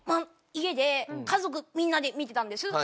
家で家族みんなで見てたんです。